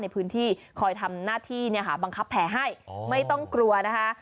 ในพื้นที่คอยทำหน้าที่เนี่ยค่ะบังคับแผลให้ไม่ต้องกลัวนะคะ